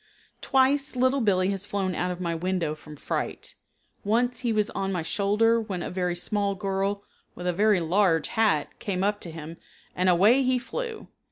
Twice Little Billee has flown out of my window from fright. Once he was on my shoulder when a very small girl with a very large hat came up to him and away he flew.